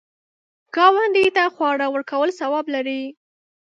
ګاونډي ته خواړه ورکول ثواب لري